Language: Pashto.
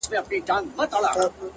هر څه هېره كاندي!!